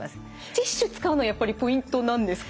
ティッシュ使うのやっぱりポイントなんですか？